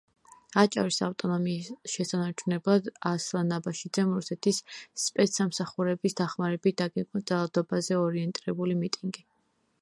აჭარის ავტონომიის შესანარჩუნებლად ასლან აბაშიძემ რუსეთის სპეცსამსახურების დახმარებით დაგეგმა ძალადობაზე ორიენტირებული მიტინგი.